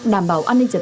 đảm bảo an ninh trạng